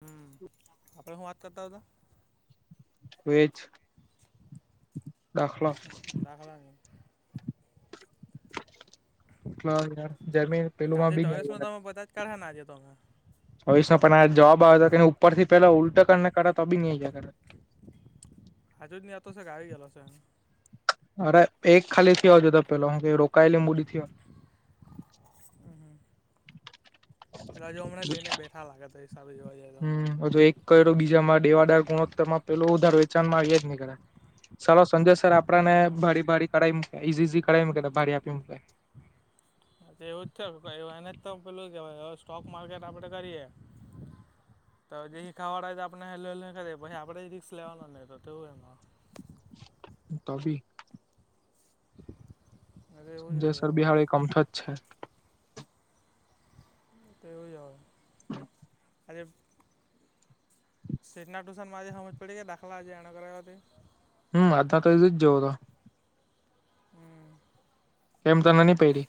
હમ આપણે શું વાત કરતા હતા? વેજ દાખલા. દાખલાની યાર જમ પેલું માં બી [unintelligible] કઢ ના આ જતો તમે. ચોવીસ નો પણ આ જવાબ આવ હતો ઉપરથી પેલા ઉલટા કરને કરા તો બી ની આવીયા કરે. હજુ જ નહીંતો છે કે આવી ગેલો છે? અરે એક ખાલી થયો તો પેલો હું રોકાયલી મૂડી થીયો. હમ હ. રજ હમણાં લઈને બેઠા લાગે તો હિસાબે જોવા જઈ. હમ એક કર તો બીજા માં દેવાદાર ગુણોતર માં પેલો ઉધાર વેચાણ મા આવીયા જ ની કરે. ચાલો સંજય સર આપડને હમ હમ ભડી ભડી કરાવી મકે ઇઝી ઝી કરાવી મૂકે ભારી આપી મૂકે. એવું જ છે એને તો પેલું કે સ્ટોક માર્કેટ આપડે કરીએ. ત જે હિખાવવા વાળા હોય તો તે આપણે હેલૂહેલૂ આપણેે રિક્સ લેવાનોને તેવું એમાં. કાફી [unintelligible] એટલે એવું જ સંજયસ રહે આમાં બિહાળ એકમથ જ છે. તેવું જ અવે. હ [inaudible] આજે સેટના ટુશનમાંજે સમજ પડી ગયા દાખલા આજે એણે કર્યાવા તે? હમ અ તો જવો તો. હમ. કેમ તનેની પયરિ?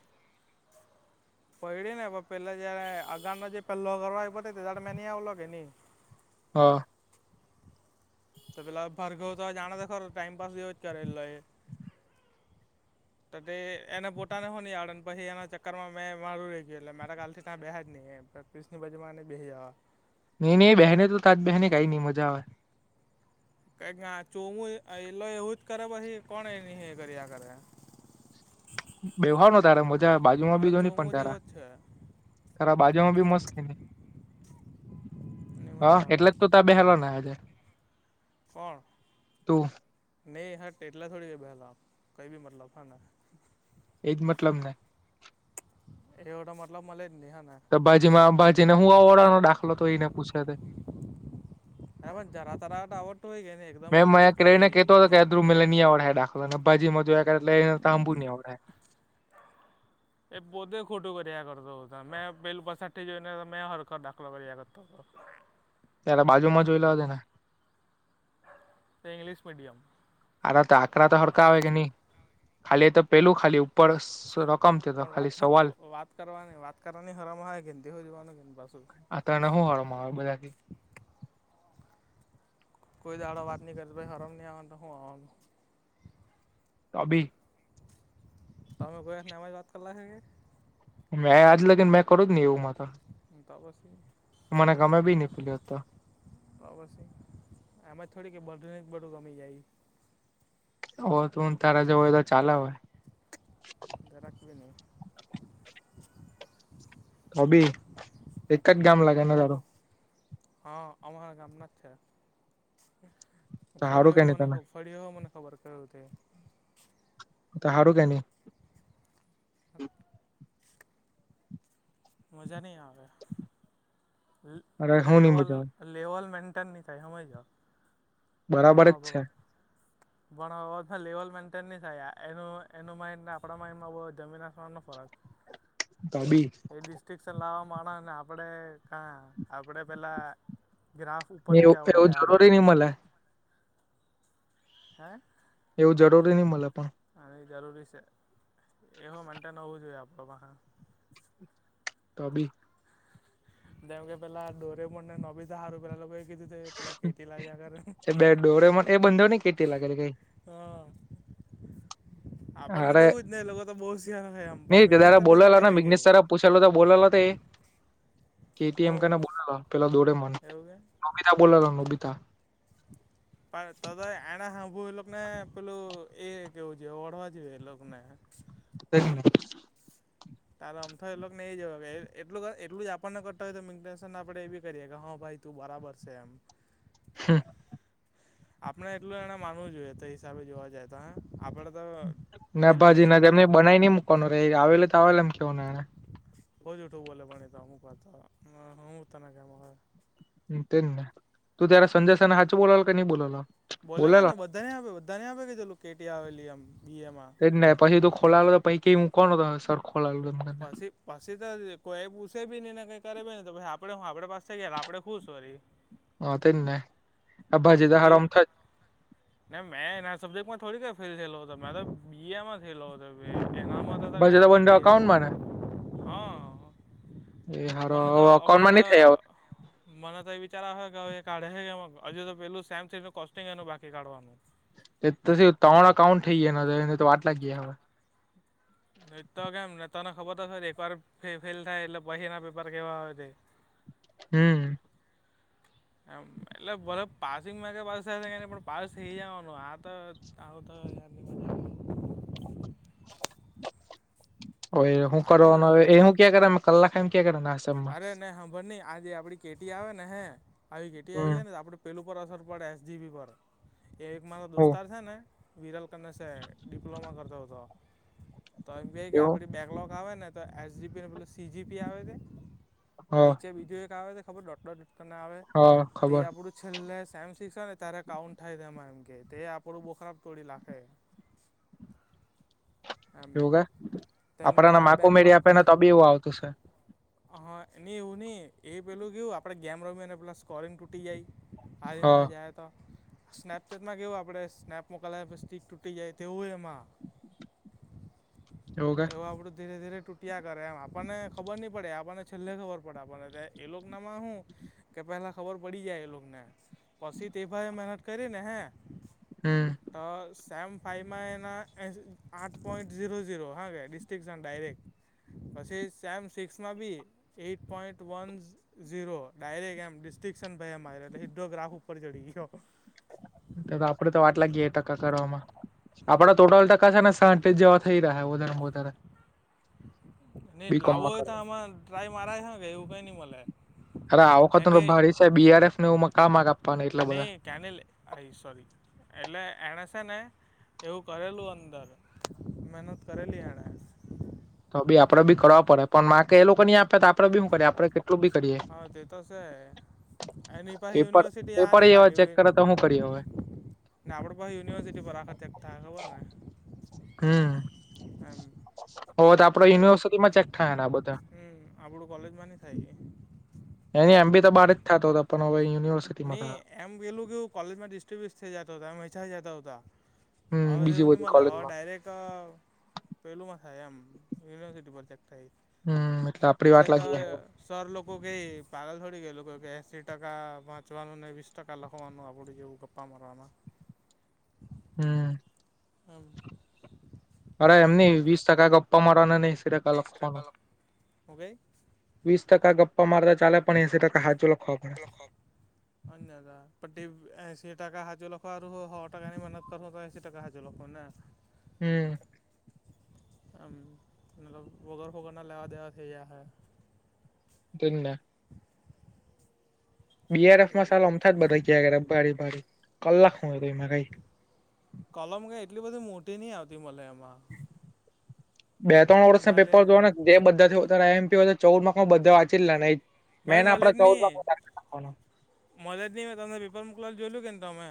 [inaudible] પડડી ને પેલા જયારે આગાનો જે પહેલો કરવા આવ્યો ત્યારે મે નહીં આવલો કે નહીં. હા. તો પેલા ભરઘવ તો જાણ તો ખર ટાઈમપાસ જેયો જ કરે એલો એ. તો તે એને બોટાને હો નહીં આવડે ને પછી એના ચક્કરમાં મેં મારું રહી ગયું એટલે મારા કાલથી ત્યાં બેહ્યા જ નહીં, એ ક્રિશની બાજુમાં ને બેહી આવા. નહી નહી બહેને તો તાજ બહેને કઈ નહીં મજા આવે કઈક ના ચોવું એલો એવું જ કરે પછી કોણ એની કર્યા કર્યા વ્યવહાર ન તારા મજા બાજુ માં હવે બીજો નહી ચોમું પણ જેવો તારા. જ છે ખરા બાજુમાં બી મસ્ત નહી, એની હા મજા આવે એટલે જ તો ત બેહેલ ના હજર. કોણ? તું નહીં હ તેટલા થોડી છે બેહેલા આપ કઈ ભી મતલબ હ ને. એજ મતલબ ને. એવો તો મતલબ મળે નહી હે ને બાજી માં બાજી ને હું આવડવા નો દાખલો તો એને પૂછે તે હ પણ જરા તરાટ આવડતું હોય કેને એકદમ જ થોડીક કઈ ન આવડતું હોય ે દાખલોને બાજીમાં જો એટલે એ ત તાંબુ નહી આવડે એ પોતે ખોટું કર્યા કરતો મેં પેલું પાછડી જોઈને મેં હરખો દાખલો કરી આપ્યૉ તો ત્યારે બાજુમાં જોઈ લેવા દે ને તે ઈંગ્લિશ મીડિયમ આ તો કાકરા તો હરખા આવે કે ની ખાલી એ તો પેલું ખાલી ઉપર રકમ છે તો પણ ખાલી વાત સવાલ વાત કરવાની વાત કરવાની હરમ આવી કે ની તે હો જવાનું પાછુ આ તને હુ હરમ આવે બધાથી કોઈ દાડો વાત ની કરે હરમ ની આવે તો હું આવે અબી તો અમે કોઈ હાથે આમ જ વાત કર લાખે કે મેં આજ લગીને મેં કરું જ ને એવું માતા તાવ આવશે મને ગમે બી પેલ્યો હતો તો પછી એમાં થોડી કે બધા બધું ગમી જાય હો તું તારા જો હોય તો ચાલે હોય જરાક બી નહી તો બી એક જ ગામ નહીં લાગેને તારુ કહું હા અમારા ગામ ના છે તો સારું કે ફરી્યો નહી મને તને બી ફડીયુ હો મને ખબર કે તો હારું કે ની સાત મજા નહી આવે અરે હું નહી લેવલ મજા આવે લેવલ મેન્ટેન નહી થાય સમજ જાઓ બરાબર જ ભણવા પર છે હોય પણ હવે તો લેવલ મેન્ટેન નહી થાય એનું માઇડ આપણા માઈંડમાં જમીન આસમાન નો ફરક [unintelligible] તો બી એ ડિસ્ટ્રિકશન લાવવા માંણસ ને આપડે કા આપડે પેલા ગ્રાફ ઉપર ને નીચે એવું આવડો એવું થયા જરૂરી કરે, નહી મળે હે. એવું જરૂરી નહી મલે પણ અને એ જરૂરી છે એવું મેન્ટેન હોવું જોઈએ આપણ પા તોભી ધેમ કે પેલા ડોરેમોન ને નોબીતાારું પેલા લોકો કીધું તે પેલા કેટી લાવ્યાગરે એ બે ડોરેમોન એ બંધો ની કેટી લાગેલી કઈ હા આપણને તો એવું જ હી લોકો તો બહુ શયાર હોય એમ્ [unintelligible] પૂછેલ તો બોલાલા તે [unintelligible] હું બોલાલો પેલા દોડે મન એવું નોબિતા બોલલો નોબીતા [inaudible] ત એના સાાંભુ એ લોકોને પેલું એ કેવું જોઈ [unintelligible] વળવા જે એ લોકો ને [unintelligible] તાર આમ થ એ ને એ જવા એટલ એટલ જ આપણને કરતા હોય તો મેન્ટન આપણે એી કરીએ કે હા ભાઈ તું બરાબર છે, એમ હા આપણે એટલું એને માનવું જોઈએ, તો હિસાબે જોવા જાય તો હ આપડે તો ના ફેલ બી ભાજી નહીં ના એમને થાય બનાઈ નઈ મુૂકવાનું રે આવેલો તો આવે એમ કેવાને એને ભહજ ઉઠું બોલે ભણે તો હું કતો હું તને કે તે જ ન તું ત્યારે સંજય સેના હાચ બોલાવ કે નઈ બોલો બોલેલો ને બધાને આપે બધા ને આપે કે ચલું કેટી આવેલી એમ બી એ માં તેજ ને પછી તો ખોલાલો પહી કે કોણ હો સર તમે ખોલાયો, પછી પછી તો કોઈ પૂછે ભી નઈ ને કઈ કરે બી નહી તો પ આપડે હું આપડે પાસ થઈ ગયેલા આપણે ખુશ વરી હ તેને એમ પહી ના મેં એના સબ્જેક્ટમાં થોડીક ફેલ થયેલો હતો મે તો બી એ માં થયેલો હતો. એનામાં તો કઈ ભાજેદા આવતી બંને બી હ. અકાઉન્ટમાં ને એ હારો મને તો હવે મન અકાઉન્ટમાં તો નઈ થાય હવે હ. મને તો એ વિચાર આવહે કે હવે એ કાઢે હે એવો હજુ તો પેલું સેમ [unintelligible] કોસ્ટિંગ એનું બાકી કાઢવાનું. કાઉન્ટ ઠઈ એના [unintelligible] તો વાટ લાગ ગયા હવે નીટ તો કેમ તને ખબર તો છ જ એકવાર ફેલ થાય એટલે પહીના પેપર કેવા આવે તે હમ એમ એટલે ભલે પાસિંગ [unintelligible] પણ પાસ થઈ જવાનું આ તો સાવ તો. મજા કોઈ આવે શું લાગે કરવાનું એવું એ યાર હું કે ક્યાં કલાક એમ ક્યાંય [unintelligible] અરે નઈ હંભર નહી આજે આપડી કેટી આવે ને હે આવી કેટી આવી હમ જાય ને આપડ પેલું પર અસર પડે એસજીબી પર એ એક મારો હું દોસ્તાર છે ને. વિરલ કનેસે ડિપ્લોમા કરતો હતો, તો એમ ક કે એવું આપણી બેકલોગ આવે ને. તો એસ જી પીને બદલે સી જી પી આવે તે. હ નીચે બીજું એક આવે તે ખબર ડોટ ડોટ તમને આવે, હ તે ખબર આપણું છેલ્લે સેમ સિક્કા છે ને ત્યારે કાઉન્ટ થાય છે એમાં એમ કે તે આપણું બોખરાબ તોડી લખે. એમ એવું કે તે એની આપડાને ત્રણ માકો મેળી બેકલોગ આપે ને તો બી એવું આવતું છે હા ની એવું ની એ પેલું ક્યુ આપે ગેમ રમી અને પેલા સ્કોરીંગ તુટી જઈ હ ને જાય તો. સ્નેપચેટમાં કેવું આપણે સ્નેપમાં કલર સ્ટીક તૂટી જાય તેવું હો એમાં. એવું આપડું ધીરે ધીરે ટૂ યા કરે એમ આપણને ખબર નઈ પડે આપણને છેલ્લે ખબર પડે આપણને એ લોકનામાં હું. કે પેલા ખબર પડી જાય એ લોક ને પછી તે એ ભાઈ મહેનત કરી ને હે. હમ તો સેમ ફાઈમાં એના આઠ પોઈન્ટ ઝીરો ઝીરો હા વે ડિસ્ટ્રિક્ટસન ડાયરેક્ટ પછી સેમ સિક્સમાં બી eight point one zero direct એમ ડિસ્ટિંશન ભાઈ મા્યો એટલે સીધો ગ્રાફ ઉપર ચડી ગયો આપડે તો વાટ લાગીએ એટકા કરવામાં આપડા ટોટલ ટ કથાને સાંજ જેવા થઈ રહ્યા વધારે વધારે ની લાવવું બીકોમમાં હોય કરે તો આમાં ટ્રાય મારા છે કે એવું કઈ ની મલે કેમકે સર બીઆરએફ નું મકામાં નહી કેનેલ આઈ સોરી એટલે એણે છે ને એવું કરેલું અંદર મહેનત કરેલી એણે તો બી આપડે બી કરવા પડે પણ માર્ક એ લોકો નહી આપે આપડે બી શું કરીએે આપડે કેટલું બી કરીએ હા તે તો છે એની પાસે પેપર યુનિવર્સિટી આ પેપર નહીં એવા લાગે ચેક કરે તો શું કરીએ હવે ને આપણી પાસે યુનિવર્સિટી પર આખત એક થાય ખબર ને હમ હમ હો તો આપડે યુનિવર્સિટી માં ચેક થાય ને આ બધા હ આપડું કલેજમાં ની થાય કે એની એમ બી તો બારજ થતો હતો પણ હવે યુનિવર્સિ નહી એમ પેલું કેવું કોલેજમાં ડિસ્ટર્બ્યુસ થઈ જતા હતા વહેંચાઈ જતા હતા. હમ હવે બીજી એવું ની બધી મલે હવે કોલેજમાં ડઇરેક્ટ પહેલુંમાં થાય એમ યુનિવર્સિટી પર ચેક થઈ હમ આપડી એટલે વાટ તો લાગી હે. સર લોકો કે પાગલ થોડી કે એલોકો કે એસી ટકા વા ચવાનું ને વીસ ટકા લખવાનું આપણું જેવું ગપ્પા મારવામાં હમ હમ અરે એમની વીસ ટકા ગપ્પા મારવાનાને ને એસી ટકા લખવાનું હું કઈ વીસ ટકા ગપ્પા મારતા ચાલે પણ એંસી ટકા હાચુ લખવાનું લખવાનું [unintelligible] પણ એસી ટકા હાજુ લખવા હારુ હો હો ટકાની મહેનત કર તો એસી ટકા હાજુ લખહુ ને [inaudible] હમ હમ મતલબ વગર ફોકટના લેવા દેવા થઈ જાહે. તેજને છે બીઆરએફમાં સાલુ આમતા જ બધા કિયા કરે ભારી ભારી કલાક શું હતો એમાં કઈ. કલમ કે એટલી બધી મોટી નહીં આવતી મલે એમાં બે ત્રણ વર્ષ ના પન્નાલે પેપર જોઆ ને જે બધાથી હો એમ ચૌદમાંમાં બધા વાંચીલા નઈ ભાઈ મેન આપડે ચૌદ રાખવાનો. મલે જ નહીં મે તમને પેપર મોકલાવેલું જોયલુ કે ને તમે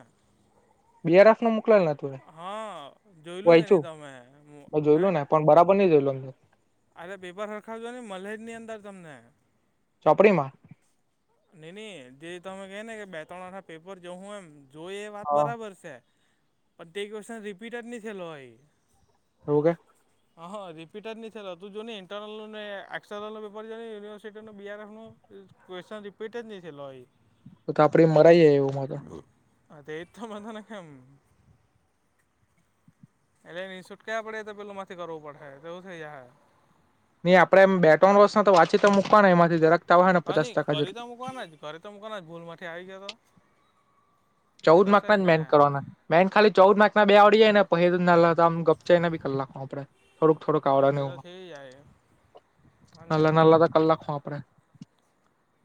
બીઆરએફ નું મોકલેલ ને તુંએ હા જોયલું કે નહી વાંયચું તમે મેં હે જોયલું ને પણ બરાબર ન જોયેલોને અરે પેપર હરખાવજો ન મલ્હેજ ની અંદર તમને ચોપડીમાં નીની જે તમે કહે ને કે બે ત્રણ વાર આ પેપર જો હું એમ જો એ વાત હા બરાબર છે પણ તે ક્વેશ્ચન રિપીટ જ નહી થયેલો હોય એવું કે [inaudible] અ હ રિપિટજ ની થેલો તુ જોની ઇન્ટર્નલ નું ને એક્સર્નલનો પેપર જો ને યુનિવર્સિટીનું બીઆરએફનું ક્વેશ્ચન રિપીટ જ નહી થેલો હોય. તો આપડે મરાઈ જાય એવું માતો હા તો એજ તો મેં તને કેમ. એટલે નઈ છૂટકા પડે તો પેલું મા થી કરવું પડહે તેવું થઈ જાહે નઈ આપડે એમ બે ત્રણ વર્ષના તો વાંચી તો મૂકવાના એમાંથી જરાક તો આવહે ને હા પચાસ નહી ટકા કરી તો જેટલું મૂકવાના જ કરી તો મૂકવાના જ એમાંથી આવી ગયા તો એ ચૌદ તો માર્ક છે જ ના ને મેન કરવાના મેઇન ખાલી ચૌદ માર્કના બે આવડી જાય ને પહી તો નાનલા આમ ગપચાવીને બી કરી નાખ હું આપણે થોડુંક થોડુંક આવડ હા ને તે તો એવું થઈ જાય નાંનલા નાનલા તો કરી નાખહુ આપડે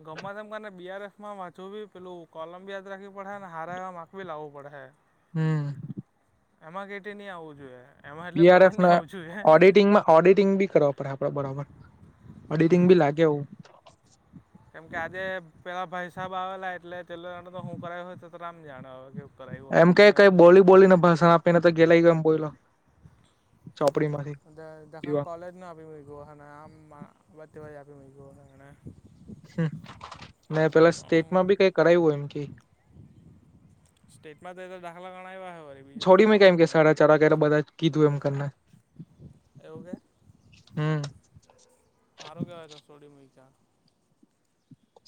ગમવા તેમને બીઆરએફ માં વાચવું બી પેલું કોલમ બી યાદ રાખવી પડહે હારા એવા માક ભી લાવવું પડહે હમ એમાં કેટી ની આવું જોઈએ એમાં એટલે બીઆરએફ કોઈમાં નઈ ના આવું જોઈએ ઓડિટિંગમાં ઓડિટિંગ બી કરવા પડહે આપડે બરાબર ઓડિટિંગ બી હમ લાગે એવુ કેમ કે આજે પેલા ભાઈસાહેબ આવેલા એટલે [unintelligible] હું કરાવ્યો તો તો રામ જાણ એમ કે કઈ બોલી બોલીને ભાષણ આપીને તો ગેલાયો એમ બોયલો ચોપડી માંથી હમ [unintelligible] ગોહના આમ વતી [unintelligible] હ ને પેલા એને સ્ટેટમાં બી કઈ કરાવ્યું એમ કે સ્ટેટમાં તો દાખલા ગણવ્યા ઓહે બીજું તો છોડી હું મે કરવાનું કેમ કે સાડા ચાર વાગે બધા જ કીધું એમ કરિને એવું કે હમ હારું કેવાય ત સોડી મૂયકા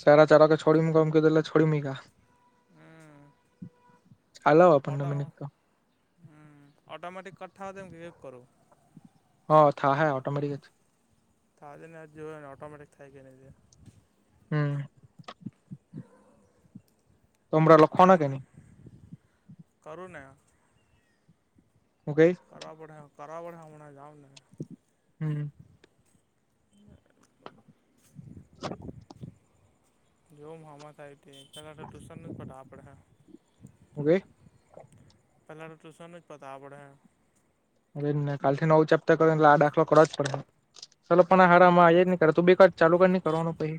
સાડા ચાર વાગે છોડી મૂકુ એમ કીધેલું જ છોડી મૂક્યા હમ હેલો હમ્મ અટોમેટિક કઠા એમ વિવેક કરું હ થાહે ઓટોમટિક તોજે ને જ જો ને ઓટોમેટિક થાય કે નહીં તે હમ્મ તે કે કાન ની કરુને હું કેય. કારાવા કારવા પડે અમજ આવ ને. હમ્મ [inaudible] જો આમાં કાંઈ તે પહેલા તો ટ્યુશનનો પતાવા પડહે હું કેય પહેલા તો ટ્યુશનનું ચ પતાવા પડહે અજ ને કાલ થી નવ ચેપ્ટર કરે ને આ દાખલો કરો જ પડે ચાલલો પણ આ હમ હરામાં જ નહી કરે તું બી કર ચાલુ કર ની કરવાનું પછ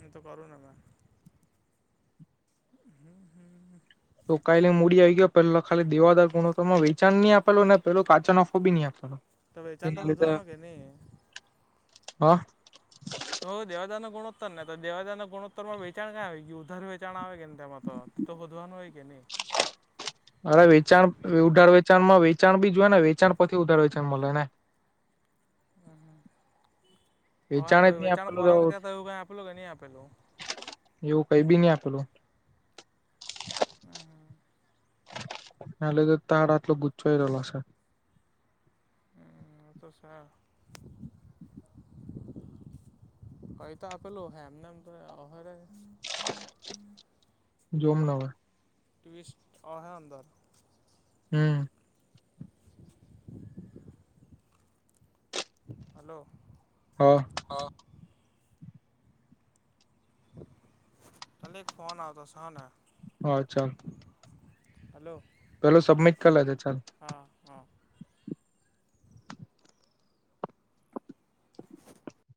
હુ તો કરું ને મે. હમ્મ હમ્મ તો કાયલી મૂડી આવી ગયો પેલા ખાલી દેદાર ગુણત્તામાં વેચાણ નહીં આપેલુ ને પેલો કાચો નફો બી નહી આપેલો ત વેચાણ તો તેના હોધવાનો લીધે કે નહીં. હ. કહ દેવાદારના ગુણોતર ને તો દેવાદારનોત્તરમાં વેચાણ કય આવી ગયું ઉધાર વેચાણ આવે કે ને તેમાં તો. તો બધવાનું હોય કે ની અરે વેચાણ ઉઢાર વેચાણ માં વેચાણ બી જો ને વેચણછથી ઉધાર હોય છે એ મળ ને હમ્મ હમ્મ વેચાણ હવે જ નહી વેચારણ આપેલું પરત ક્યાં તો એવું કાંઈ આપેલું કે નહીં આપેલું એવું કઈ બી નહી આપેલું હમ્મ એ લ ગે તાર આટલો ગુચચવાઈ રહલો છે. હ એ તો છે. કઈ તો આપેલું હ એમનેમ ત ઓહ રે જોમ ને હવે ટવિસ્ટ ઓહે અંદર હમ્મ હલો હ. હ. ખાલી એક ફોન આવ તો સ હને અચ્છા પેલું સબમિટ કરી લેજે ચાલ હા હા.